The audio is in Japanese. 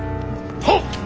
はっ！